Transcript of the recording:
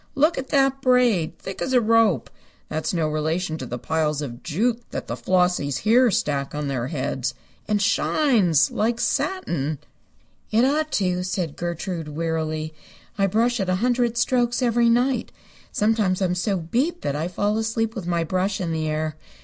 Look at that braid! Thick as a rope! That's no relation to the piles of jute that the Flossies here stack on their heads. And shines! Like satin." "It ought to," said Gertrude, wearily. "I brush it a hundred strokes every night. Sometimes I'm so beat that I fall asleep with my brush in the air.